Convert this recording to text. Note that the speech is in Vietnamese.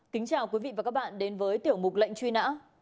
kính chào quý vị và các bạn đến với tiểu mục lệnh truy nã